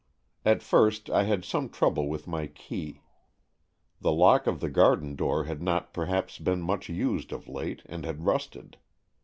At first I had some trouble with my key; the lock of the garden door had not perhaps been much used of late, and had rusted.